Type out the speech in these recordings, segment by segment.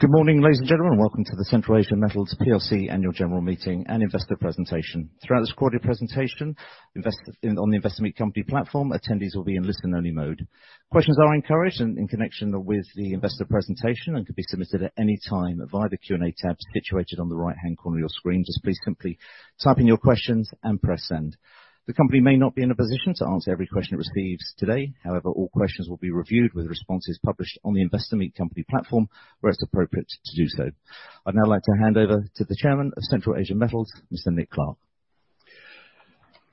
Good morning, ladies and gentlemen. Welcome to the Central Asia Metals Plc Annual General Meeting and Investor Presentation. Throughout this recorded presentation, on the Investor Meet Company platform, attendees will be in listen only mode. Questions are encouraged and in connection with the investor presentation and can be submitted at any time via the Q&A tab situated on the right-hand corner of your screen. Just please simply type in your questions and press send. The company may not be in a position to answer every question it receives today. All questions will be reviewed with responses published on the Investor Meet Company platform, where it's appropriate to do so. I'd now like to hand over to the chairman of Central Asia Metals, Mr. Nick Clarke.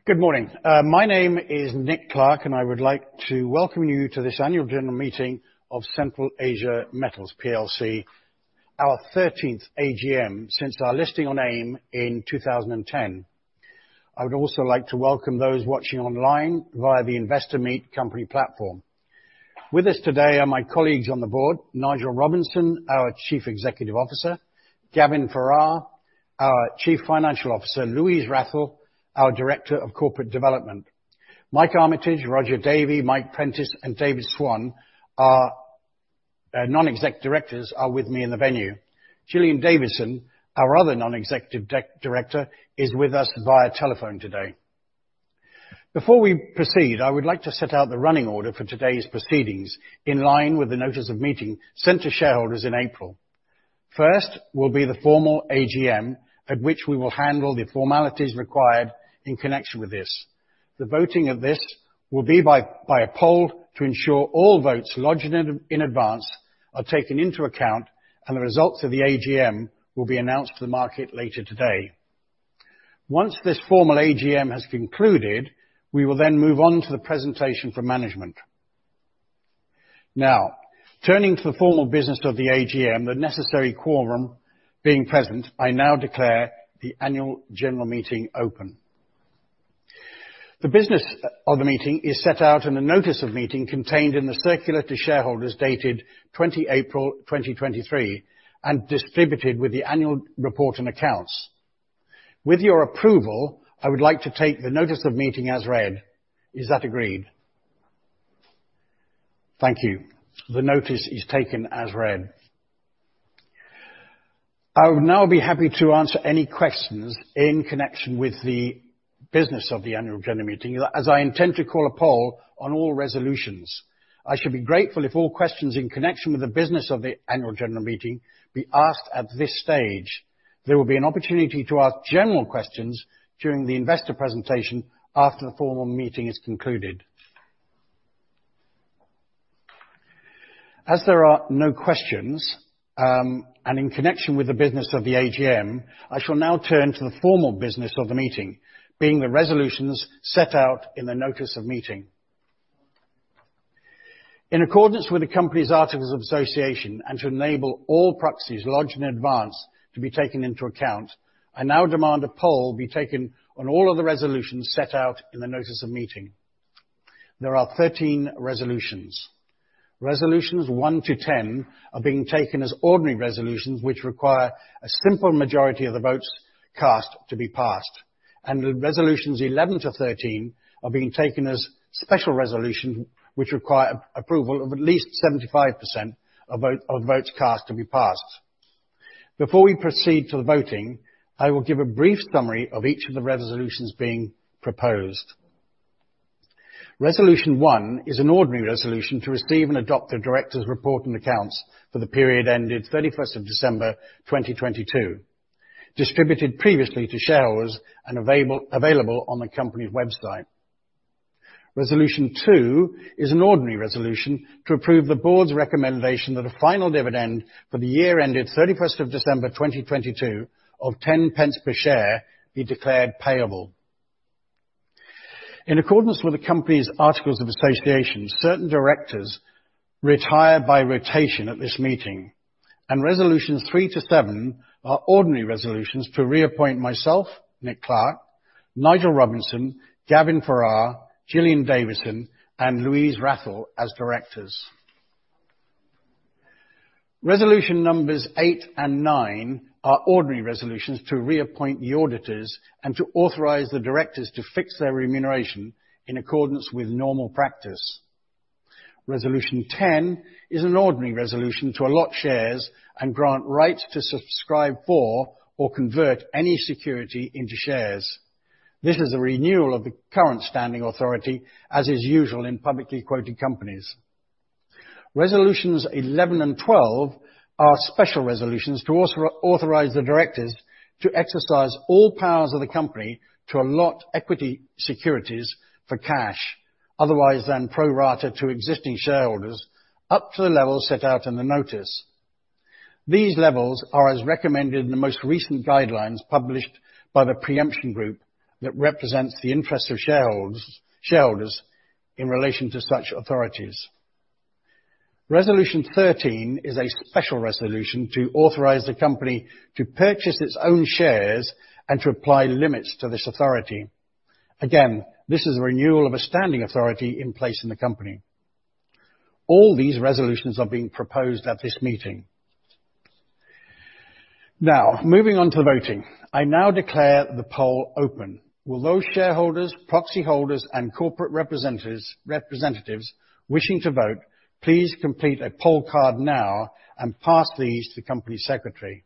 Good morning. My name is Nick Clarke, I would like to welcome you to this Annual General Meeting of Central Asia Metals Plc, our 13th AGM since our listing on AIM in 2010. I would also like to welcome those watching online via the Investor Meet Company platform. With us today are my colleagues on the board, Nigel Robinson, our Chief Executive Officer, Gavin Ferrar, our Chief Financial Officer, Louise Wrathall, our Director of Corporate Development. Mike Armitage, Roger Davey, Mike Prentice, and David Swann, our non-exec directors, are with me in the venue. Gillian Davidson, our other non-executive director, is with us via telephone today. Before we proceed, I would like to set out the running order for today's proceedings in line with the notice of meeting sent to shareholders in April. First will be the formal AGM, at which we will handle the formalities required in connection with this. The voting of this will be by a poll to ensure all votes lodged in advance are taken into account, and the results of the AGM will be announced to the market later today. Once this formal AGM has concluded, we will then move on to the presentation from management. Turning to the formal business of the AGM, the necessary quorum being present, I now declare the annual general meeting open. The business of the meeting is set out in a notice of meeting contained in the circular to shareholders dated 20 April 2023 and distributed with the annual report and accounts. With your approval, I would like to take the notice of meeting as read. Is that agreed? Thank you. The notice is taken as read. I would now be happy to answer any questions in connection with the business of the annual general meeting, as I intend to call a poll on all resolutions. I should be grateful if all questions in connection with the business of the annual general meeting be asked at this stage. There will be an opportunity to ask general questions during the investor presentation after the formal meeting is concluded. As there are no questions, and in connection with the business of the AGM, I shall now turn to the formal business of the meeting, being the resolutions set out in the notice of meeting. In accordance with the company's articles of association and to enable all proxies lodged in advance to be taken into account, I now demand a poll be taken on all of the resolutions set out in the notice of meeting. There are 13 resolutions. Resolutions 1 to 10 are being taken as ordinary resolutions, which require a simple majority of the votes cast to be passed. Resolutions 11 to 13 are being taken as special resolution, which require approval of at least 75% of votes cast to be passed. Before we proceed to the voting, I will give a brief summary of each of the resolutions being proposed. Resolution 1 is an ordinary resolution to receive and adopt the Directors' Report and accounts for the period ended 31st of December, 2022, distributed previously to shareholders and available on the company's website. Resolution 2 is an ordinary resolution to approve the board's recommendation that a final dividend for the year ended 31st of December, 2022, of 10 pence per share be declared payable. In accordance with the company's articles of association, certain directors retire by rotation at this meeting, and resolutions 3 to 7 are ordinary resolutions to reappoint myself, Nick Clarke, Nigel Robinson, Gavin Ferrar, Gillian Davidson, and Louise Wrathall as directors. Resolution numbers 8 and 9 are ordinary resolutions to reappoint the auditors and to authorize the directors to fix their remuneration in accordance with normal practice. Resolution 10 is an ordinary resolution to allot shares and grant rights to subscribe for or convert any security into shares. This is a renewal of the current standing authority, as is usual in publicly quoted companies. Resolutions 11 and 12 are special resolutions to also authorize the directors to exercise all powers of the company to allot equity securities for cash, otherwise than pro rata to existing shareholders, up to the level set out in the notice. These levels are as recommended in the most recent guidelines published by the Pre-Emption Group that represents the interests of shareholders in relation to such authorities. Resolution 13 is a special resolution to authorize the company to purchase its own shares and to apply limits to this authority. Again, this is a renewal of a standing authority in place in the company. All these resolutions are being proposed at this meeting. Now, moving on to voting. I now declare the poll open. Will those shareholders, proxy holders, and corporate representatives wishing to vote, please complete a poll card now and pass these to the company secretary.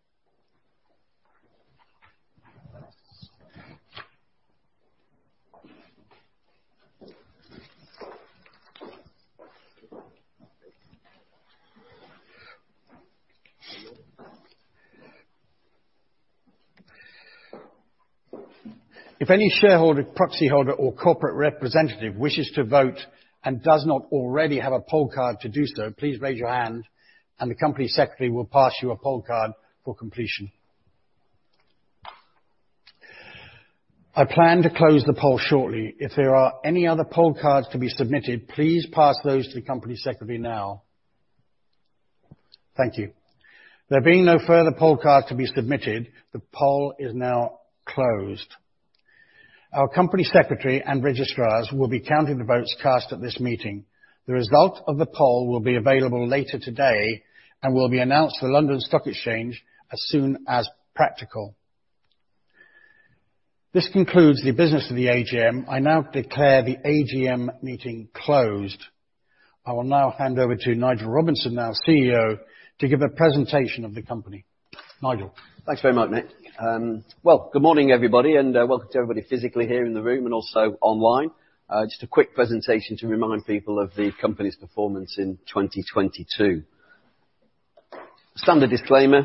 If any shareholder, proxy holder, or corporate representative wishes to vote and does not already have a poll card to do so, please raise your hand and the company secretary will pass you a poll card for completion. I plan to close the poll shortly. If there are any other poll cards to be submitted, please pass those to the company secretary now. Thank you. There being no further poll cards to be submitted, the poll is now closed. Our company secretary and registrars will be counting the votes cast at this meeting. The result of the poll will be available later today and will be announced to the London Stock Exchange as soon as practical. This concludes the business of the AGM. I now declare the AGM meeting closed. I will now hand over to Nigel Robinson, our CEO, to give a presentation of the company. Nigel. Thanks very much, Nick. Well, good morning, everybody, welcome to everybody physically here in the room and also online. Just a quick presentation to remind people of the company's performance in 2022. Standard disclaimer,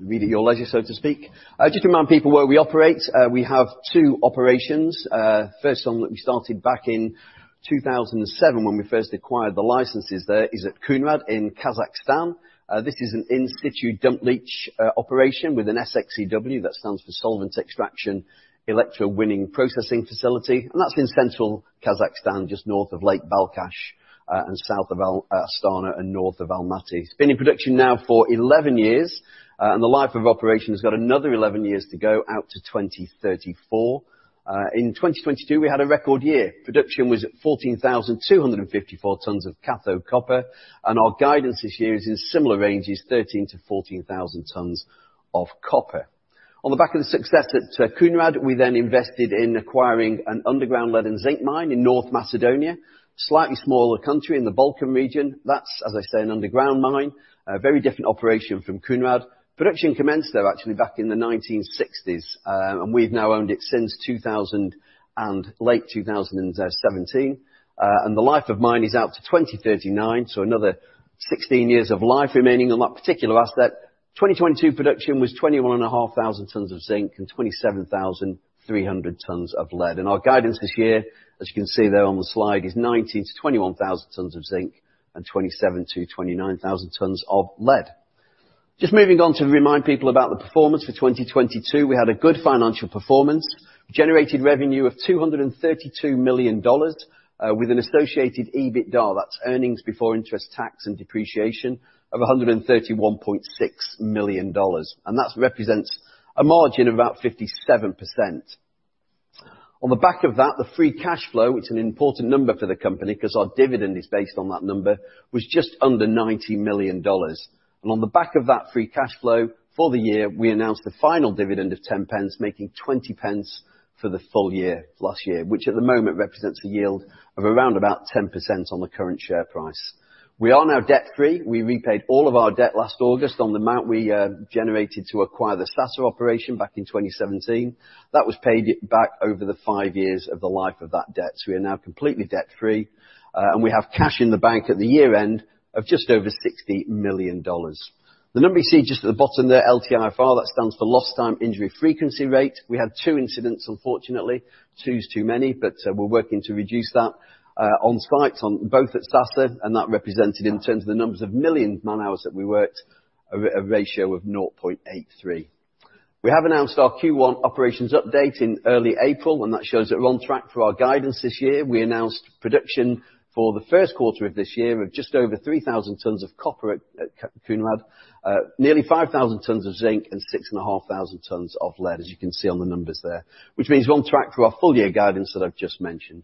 read at your leisure, so to speak. Just to remind people where we operate. We have two operations. First one that we started back in 2007 when we first acquired the licenses there is at Kounrad in Kazakhstan. This is an in-situ dump leach operation with an SXEW. That stands for Solvent Extraction Electrowinning processing facility. That's in central Kazakhstan, just north of Lake Balkhash, and south of Astana and north of Almaty. It's been in production now for 11 years. The life of operation has got another 11 years to go out to 2034. In 2022, we had a record year. Production was at 14,254 tons of cathode copper, and our guidance this year is in similar ranges, 13,000-14,000 tons of copper. On the back of the success at Kounrad, we then invested in acquiring an underground lead and zinc mine in North Macedonia, slightly smaller country in the Balkan region. That's, as I say, an underground mine. A very different operation from Kounrad. Production commenced, though, actually back in the 1960s, and we've now owned it since 2000 and late 2000 and 17. The life of mine is out to 2039, so another 16 years of life remaining on that particular asset. 2022 production was 21,500 tons of zinc and 27,300 tons of lead. Our guidance this year, as you can see there on the slide, is 19,000-21,000 tons of zinc and 27,000-29,000 tons of lead. Just moving on to remind people about the performance for 2022. We had a good financial performance. Generated revenue of $232 million with an associated EBITDA, that's earnings before interest, tax, and depreciation, of $131.6 million. That's represents a margin of about 57%. On the back of that, the free cash flow, it's an important number for the company 'cause our dividend is based on that number, was just under $90 million. On the back of that Free Cash Flow for the year, we announced a final dividend of 10 pence, making 20 pence for the full year last year, which at the moment represents a yield of around about 10% on the current share price. We are now debt-free. We repaid all of our debt last August on the amount we generated to acquire the Sasa operation back in 2017. That was paid back over the 5 years of the life of that debt. We are now completely debt-free. We have cash in the bank at the year-end of just over $60 million. The number you see just at the bottom there, LTIFR, that stands for Lost Time Injury Frequency Rate. We had two incidents, unfortunately. Two is too many. We're working to reduce that on site on both at Sasa. That represented in terms of the numbers of million man-hours that we worked a ratio of 0.83. We have announced our Q1 operations update in early April. That shows that we're on track for our guidance this year. We announced production for the first quarter of this year of just over 3,000 tons of copper at Kounrad, nearly 5,000 tons of zinc and 6,500 tons of lead, as you can see on the numbers there, which means we're on track for our full-year guidance that I've just mentioned.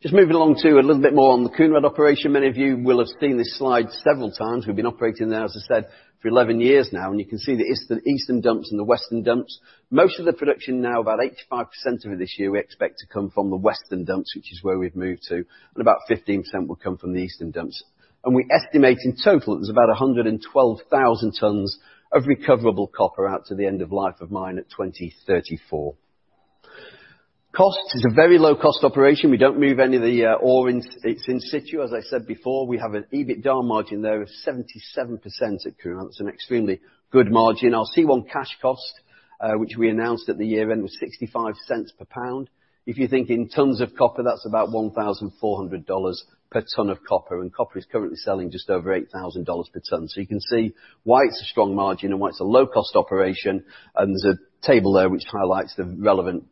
Just moving along to a little bit more on the Kounrad operation. Many of you will have seen this slide several times. We've been operating there, as I said, for 11 years now, and you can see the Eastern dumps and the Western dumps. Most of the production now, about 85% of it this year, we expect to come from the Western dumps, which is where we've moved to, and about 15% will come from the Eastern dumps. We estimate in total, there's about 112,000 tons of recoverable copper out to the end of life of mine at 2034. Cost. It's a very low-cost operation. We don't move any of the ore in. It's in situ. As I said before, we have an EBITDA margin there of 77% at Kounrad. It's an extremely good margin. Our C1 cash cost, which we announced at the year-end, was $0.65 per pound. If you think in tons of copper, that's about $1,400 per ton of copper. Copper is currently selling just over $8,000 per ton. You can see why it's a strong margin and why it's a low-cost operation. There's a table there which highlights the relevant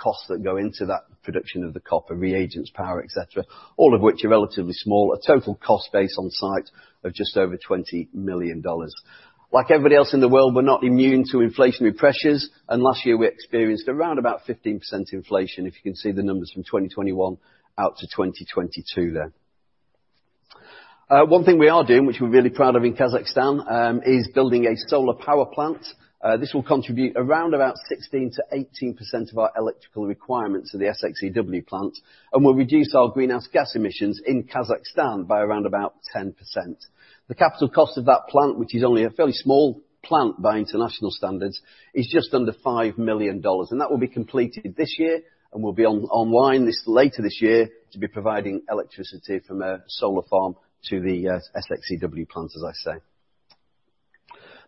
costs that go into that production of the copper, reagents, power, et cetera, all of which are relatively small. A total cost base on site of just over $20 million. Like everybody else in the world, we're not immune to inflationary pressures, and last year we experienced around about 15% inflation, if you can see the numbers from 2021 out to 2022 there. One thing we are doing, which we're really proud of in Kazakhstan, is building a solar power plant. This will contribute around about 16%-18% of our electrical requirements to the SXEW plant and will reduce our greenhouse gas emissions in Kazakhstan by around about 10%. The capital cost of that plant, which is only a fairly small plant by international standards, is just under $5 million. That will be completed this year and will be online later this year to be providing electricity from a solar farm to the SXEW plant, as I say.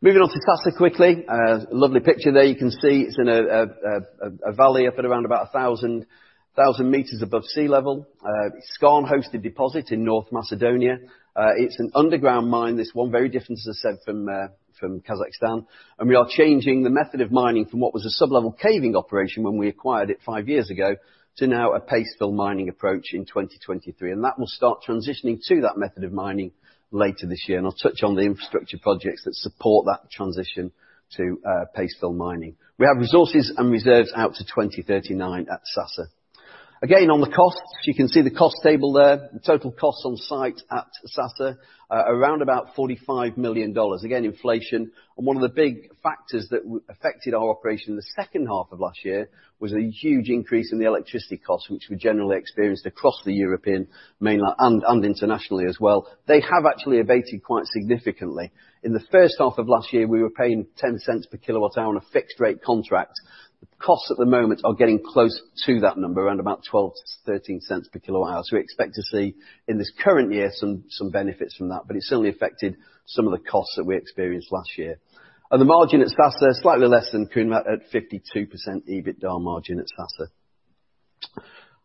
Moving on to Sasa quickly. Lovely picture there. You can see it's in a valley up at around about 1,000 meters above sea level. Skarn-hosted deposit in North Macedonia. It's an underground mine, this one. Very different, as I said, from Kazakhstan. We are changing the method of mining from what was a sublevel caving operation when we acquired it five years ago to now a paste fill mining approach in 2023. That will start transitioning to that method of mining later this year, and I'll touch on the infrastructure projects that support that transition to paste fill mining. We have resources and reserves out to 2039 at Sasa. On the costs, as you can see the cost table there, the total cost on site at Sasa, around about $45 million. Inflation and one of the big factors that affected our operation in the second half of last year was a huge increase in the electricity costs, which we generally experienced across the European mainland and internationally as well. They have actually abated quite significantly. In the first half of last year, we were paying $0.10 per kWh on a fixed rate contract. The costs at the moment are getting close to that number, around about $0.12-$0.13 per kWh. We expect to see, in this current year, some benefits from that, but it certainly affected some of the costs that we experienced last year. The margin at Sasa, slightly less than Kounrad at 52% EBITDA margin at Sasa.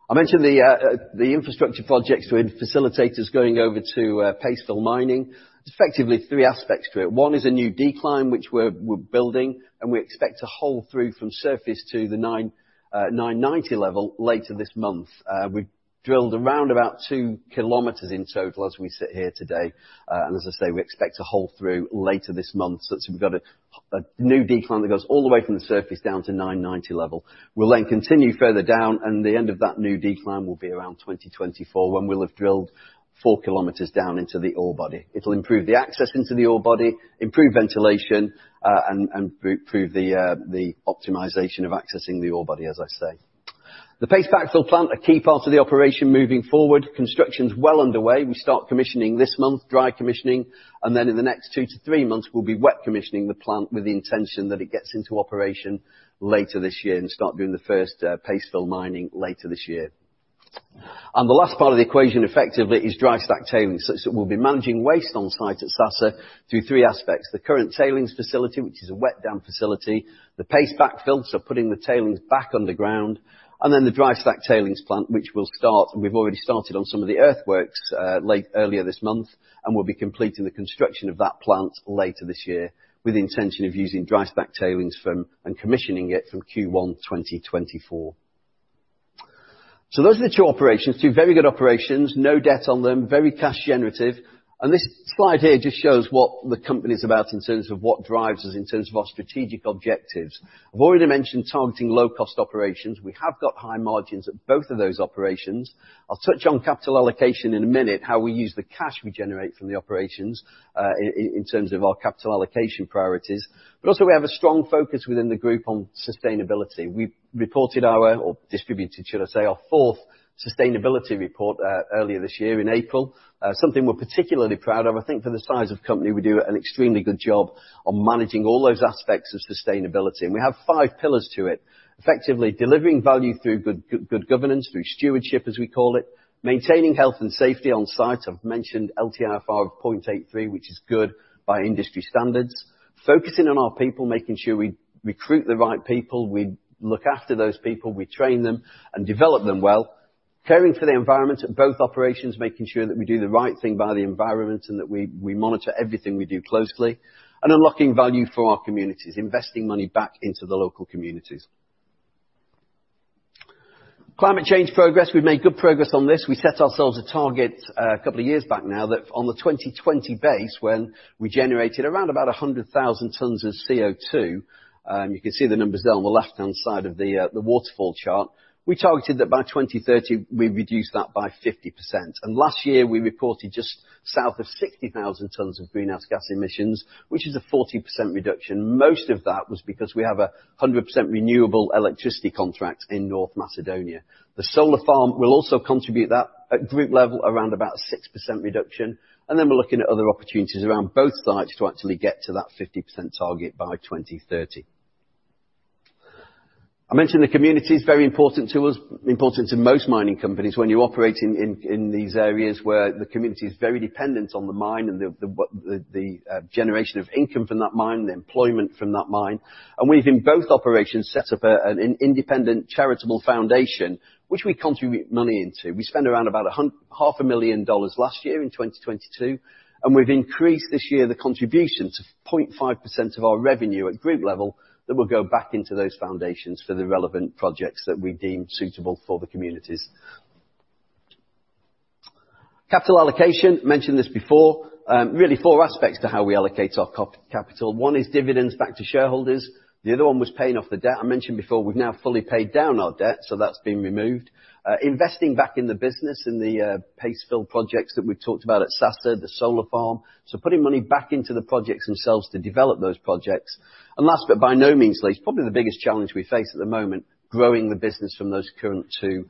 I mentioned the infrastructure projects to facilitate us going over to paste backfill mining. There's effectively three aspects to it. One is a new decline, which we're building, and we expect to hole through from surface to the 990 level later this month. We've drilled around about 2 kilometers in total as we sit here today, as I say, we expect to hole through later this month. That's, we've got a new decline that goes all the way from the surface down to 990 level. We'll then continue further down. The end of that new decline will be around 2024 when we'll have drilled 4 kilometers down into the ore body. It'll improve the access into the ore body, improve ventilation, and improve the optimization of accessing the ore body, as I say. The paste backfill plant, a key part of the operation moving forward. Construction's well underway. We start commissioning this month, dry commissioning, and then in the next 2 to 3 months, we'll be wet commissioning the plant with the intention that it gets into operation later this year and start doing the first paste backfill mining later this year. The last part of the equation effectively is dry stack tailings, such that we'll be managing waste on-site at Sasa through three aspects. The current tailings facility, which is a wet dam facility, the paste backfill, so putting the tailings back underground, and then the dry stack tailings plant which will start, and we've already started on some of the earthworks, late, earlier this month. We'll be completing the construction of that plant later this year with the intention of using dry stack tailings from, and commissioning it from Q1 2024. Those are the two operations. Two very good operations, no debt on them, very cash generative. This slide here just shows what the company's about in terms of what drives us in terms of our strategic objectives. I've already mentioned targeting low-cost operations. We have got high margins at both of those operations. I'll touch on capital allocation in a minute, how we use the cash we generate from the operations, in terms of our capital allocation priorities. Also, we have a strong focus within the group on sustainability. We reported our, or distributed, should I say, our fourth sustainability report, earlier this year in April. Something we're particularly proud of. I think for the size of company, we do an extremely good job on managing all those aspects of sustainability, and we have five pillars to it. Effectively, delivering value through good governance, through stewardship, as we call it. Maintaining health and safety on site. I've mentioned LTIF of 0.83, which is good by industry standards. Focusing on our people, making sure we recruit the right people. We look after those people, we train them and develop them well. Caring for the environment at both operations, making sure that we do the right thing by the environment and that we monitor everything we do closely. Unlocking value for our communities, investing money back into the local communities. Climate change progress. We've made good progress on this. We set ourselves a target a couple of years back now that on the 2020 base when we generated around about 100,000 tons of CO2, you can see the numbers there on the left-hand side of the waterfall chart. We targeted that by 2030 we'd reduce that by 50%. Last year, we reported just south of 60,000 tons of greenhouse gas emissions, which is a 40% reduction. Most of that was because we have a 100% renewable electricity contract in North Macedonia. The solar farm will also contribute that at group level, around about a 6% reduction. Then we're looking at other opportunities around both sites to actually get to that 50% target by 2030. I mentioned the community is very important to us, important to most mining companies when you operate in these areas where the community is very dependent on the mine and the generation of income from that mine, the employment from that mine. We've, in both operations, set up an independent charitable foundation which we contribute money into. We spent around about half a million dollars last year in 2022, and we've increased this year the contribution to 0.5% of our revenue at group level that will go back into those foundations for the relevant projects that we deem suitable for the communities. Capital allocation. Mentioned this before. Really four aspects to how we allocate our capital. One is dividends back to shareholders, the other one was paying off the debt. I mentioned before, we've now fully paid down our debt, so that's been removed. Investing back in the business, in the paste backfill projects that we've talked about at Sasa, the solar farm. Putting money back into the projects themselves to develop those projects. Last but by no means least, probably the biggest challenge we face at the moment, growing the business from those current 2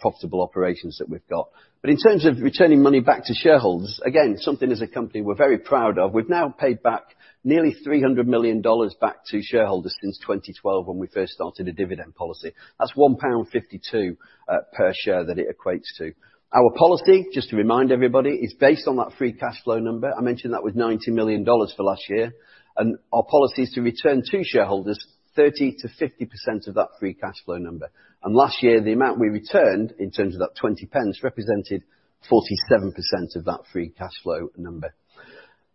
profitable operations that we've got. In terms of returning money back to shareholders, again, something as a company we're very proud of. We've now paid back nearly $300 million back to shareholders since 2012 when we first started a dividend policy. That's £1.52 per share that it equates to. Our policy, just to remind everybody, is based on that free cash flow number. I mentioned that was $90 million for last year. Our policy is to return to shareholders 30%-50% of that free cash flow number. Last year, the amount we returned in terms of that 20 pence represented 47% of that Free Cash Flow number.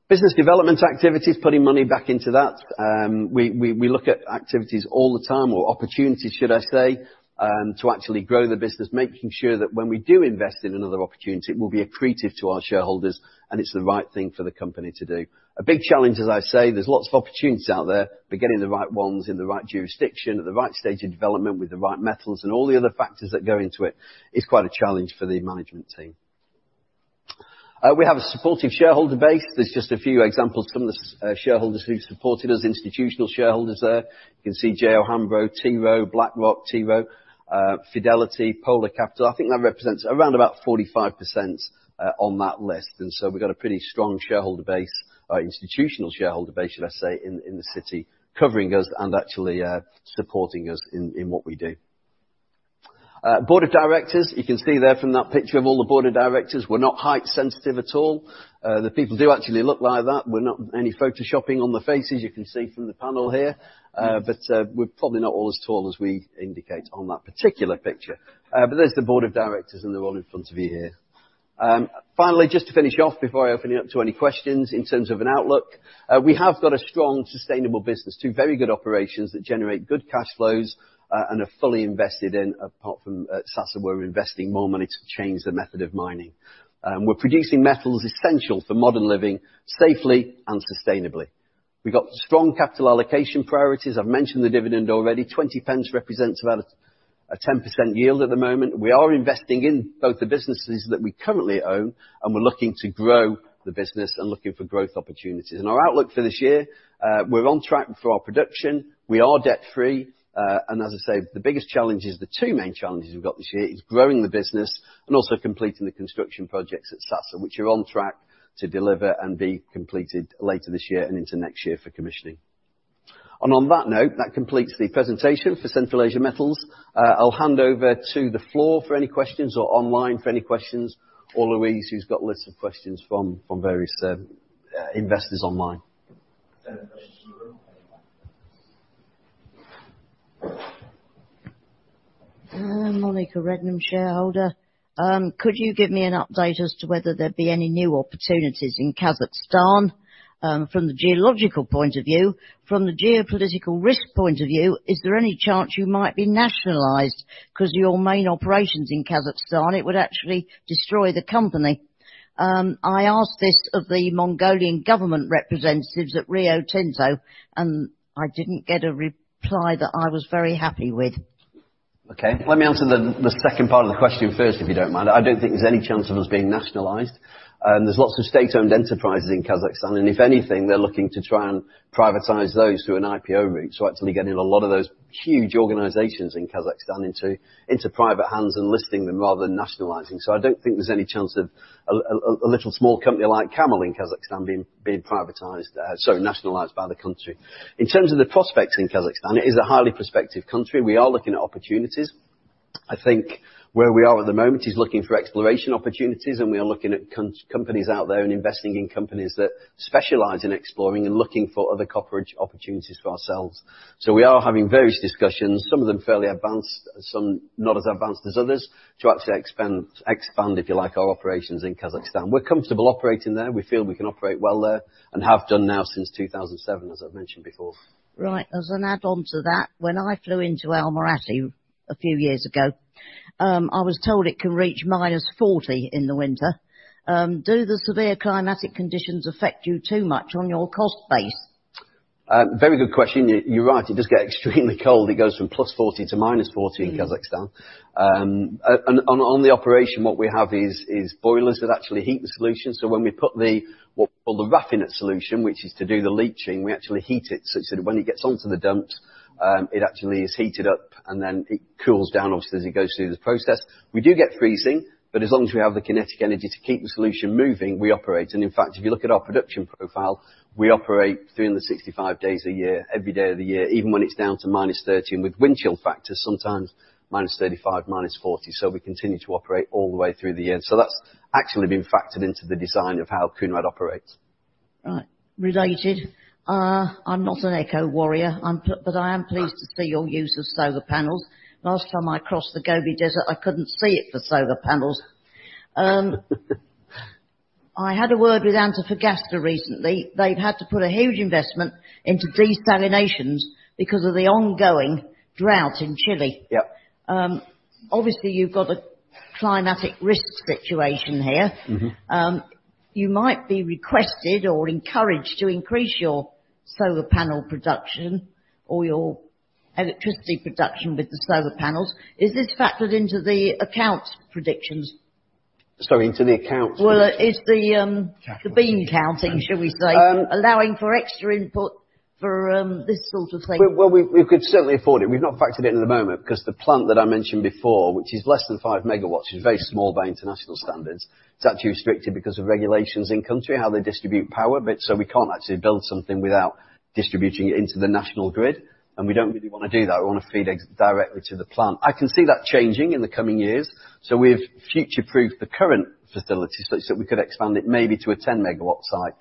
Business development activities, putting money back into that. We look at activities all the time or opportunities should I say, to actually grow the business. Making sure that when we do invest in another opportunity, it will be accretive to our shareholders and it's the right thing for the company to do. A big challenge, as I say, there's lots of opportunities out there, but getting the right ones in the right jurisdiction, at the right stage of development, with the right metals and all the other factors that go into it, is quite a challenge for the management team. We have a supportive shareholder base. There's just a few examples from the shareholders who've supported us. Institutional shareholders there. You can see J O Hambro, T. Rowe Price, BlackRock, T. Rowe Price, Fidelity, Polar Capital. I think that represents around about 45% on that list. So we've got a pretty strong shareholder base, institutional shareholder base, should I say, in the city covering us and actually supporting us in what we do. Board of directors. You can see there from that picture of all the board of directors, we're not height sensitive at all. The people do actually look like that. We're not any photoshopping on the faces, you can see from the panel here. We're probably not all as tall as we indicate on that particular picture. There's the board of directors and they're all in front of you here. Finally, just to finish off before I open it up to any questions in terms of an outlook. We have got a strong sustainable business. Two very good operations that generate good cash flows, and are fully invested in. Apart from at Sasa, we're investing more money to change the method of mining. We're producing metals essential for modern living safely and sustainably. We've got strong capital allocation priorities. I've mentioned the dividend already. 0.20 represents about a 10% yield at the moment. We are investing in both the businesses that we currently own, and we're looking to grow the business and looking for growth opportunities. Our outlook for this year, we're on track for our production. We are debt-free. As I say, the two main challenges we've got this year is growing the business and also completing the construction projects at Sasa, which are on track to deliver and be completed later this year and into next year for commissioning. On that note, that completes the presentation for Central Asia Metals. I'll hand over to the floor for any questions or online for any questions, or Louise, who's got a list of questions from various investors online. Any questions from the room? Monica Redman, shareholder. Could you give me an update as to whether there'd be any new opportunities in Kazakhstan, from the geological point of view? From the geopolitical risk point of view, is there any chance you might be nationalized 'cause your main operation's in Kazakhstan, it would actually destroy the company? I asked this of the Mongolian government representatives at Rio Tinto, and I didn't get a reply that I was very happy with. Okay. Let me answer the second part of the question first, if you don't mind. I don't think there's any chance of us being nationalized. There's lots of state-owned enterprises in Kazakhstan, if anything, they're looking to try and privatize those through an IPO route. Actually getting a lot of those huge organizations in Kazakhstan into private hands and listing them rather than nationalizing. I don't think there's any chance of a little small company like CAML in Kazakhstan being privatized, sorry, nationalized by the country. In terms of the prospects in Kazakhstan, it is a highly prospective country. We are looking at opportunities. I think where we are at the moment is looking for exploration opportunities. We are looking at companies out there and investing in companies that specialize in exploring and looking for other copper opportunities for ourselves. We are having various discussions, some of them fairly advanced, some not as advanced as others, to actually expand, if you like, our operations in Kazakhstan. We're comfortable operating there. We feel we can operate well there and have done now since 2007, as I've mentioned before. Right. As an add on to that, when I flew into Almaty a few years ago, I was told it can reach minus 40 in the winter. Do the severe climatic conditions affect you too much on your cost base? Very good question. You're right. It does get extremely cold. It goes from +40 to -40 in Kazakhstan. On the operation, what we have is boilers that actually heat the solution. When we put the, what we call the raffinate solution, which is to do the leaching, we actually heat it so that when it gets onto the dumps, it actually is heated up and then it cools down obviously as it goes through the process. We do get freezing, but as long as we have the kinetic energy to keep the solution moving, we operate. In fact, if you look at our production profile, we operate 365 days a year, every day of the year, even when it's down to -30, and with wind chill factors, sometimes -35, -40. We continue to operate all the way through the year. That's actually been factored into the design of how Kounrad operates. Related. I'm not an eco-warrior. I am pleased to see your use of solar panels. Last time I crossed the Gobi Desert, I couldn't see it for solar panels. I had a word with Antofagasta recently. They've had to put a huge investment into desalinations because of the ongoing drought in Chile. Yep. Obviously, you've got a climatic risk situation here. You might be requested or encouraged to increase your solar panel production or your electricity production with the solar panels. Is this factored into the account predictions? Sorry, into the accounts? Well, is the bean counting, shall we say. allowing for extra input for this sort of thing? Well, we could certainly afford it. We've not factored it in the moment because the plant that I mentioned before, which is less than five megawatts, is very small by international standards. It's actually restricted because of regulations in country, how they distribute power, but so we can't actually build something without distributing it into the national grid, and we don't really wanna do that. We wanna feed it directly to the plant. I can see that changing in the coming years, so we've future-proofed the current facilities so that we could expand it maybe to a 10-megawatt site.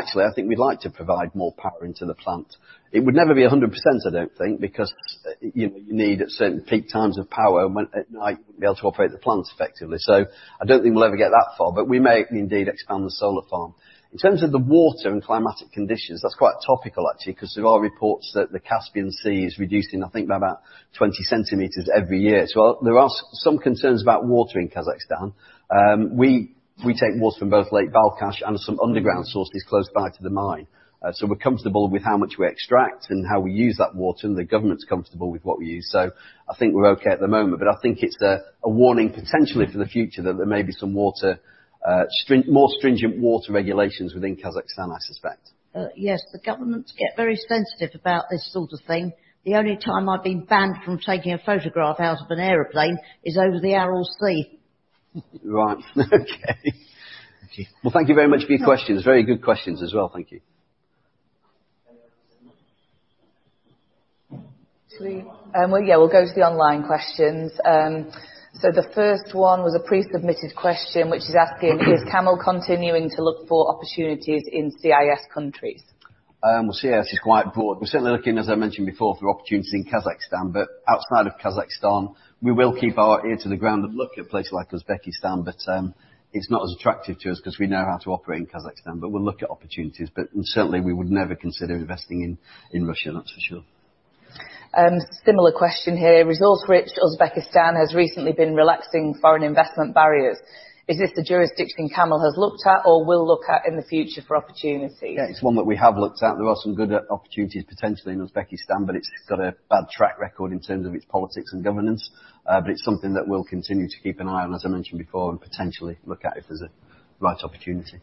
Actually, I think we'd like to provide more power into the plant. It would never be 100%, I don't think, because you need it at certain peak times of power when at night you'll be able to operate the plants effectively. I don't think we'll ever get that far, but we may indeed expand the solar farm. In terms of the water and climatic conditions, that's quite topical actually because there are reports that the Caspian Sea is reducing, I think by about 20 centimeters every year. There are some concerns about water in Kazakhstan. We take water from both Lake Balkhash and some underground sources close by to the mine. We're comfortable with how much we extract and how we use that water, and the government's comfortable with what we use. I think we're okay at the moment, but I think it's a warning potentially for the future that there may be some water, more stringent water regulations within Kazakhstan, I suspect. Yes. The governments get very sensitive about this sort of thing. The only time I've been banned from taking a photograph out of an airplane is over the Aral Sea. Right. Okay. Thank you. Well, thank you very much for your questions. Very good questions as well. Thank you. Well, yeah, we'll go to the online questions. The first one was a pre-submitted question which is asking, is CAML continuing to look for opportunities in CIS countries? Well, CIS is quite broad. We're certainly looking, as I mentioned before, for opportunities in Kazakhstan, but outside of Kazakhstan, we will keep our ear to the ground and look at places like Uzbekistan. It's not as attractive to us 'cause we know how to operate in Kazakhstan, but we'll look at opportunities. Certainly, we would never consider investing in Russia, that's for sure. Similar question here. Resource-rich Uzbekistan has recently been relaxing foreign investment barriers. Is this a jurisdiction CAML has looked at or will look at in the future for opportunities? Yeah, it's one that we have looked at. There are some good opportunities potentially in Uzbekistan, but it's got a bad track record in terms of its politics and governance. It's something that we'll continue to keep an eye on, as I mentioned before, and potentially look at if there's a right opportunity.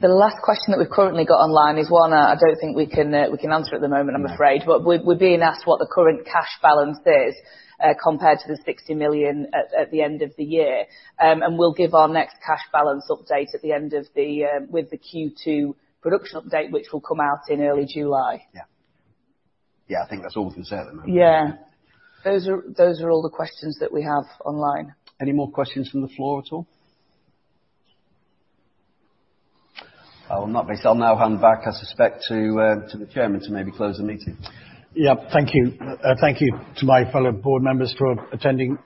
The last question that we've currently got online is one I don't think we can answer at the moment, I'm afraid. No. We're being asked what the current cash balance is, compared to the $60 million at the end of the year. We'll give our next cash balance update at the end of the with the Q2 production update, which will come out in early July. Yeah. Yeah, I think that's all we can say at the moment. Yeah. Those are all the questions that we have online. Any more questions from the floor at all? Not basically. I'll now hand back, I suspect, to the Chairman to maybe close the meeting. Yeah. Thank you. Thank you to my fellow board members for attending,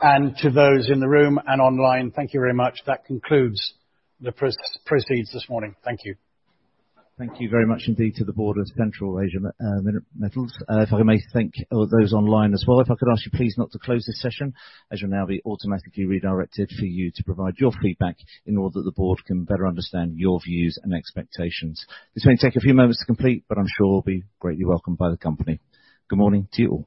and to those in the room and online, thank you very much. That concludes the press, proceeds this morning. Thank you. Thank you very much indeed to the board of Central Asia Metals. If I may thank all those online as well. If I could ask you please not to close this session, as you'll now be automatically redirected for you to provide your feedback in order that the board can better understand your views and expectations. This may take a few moments to complete, but I'm sure will be greatly welcomed by the company. Good morning to you all.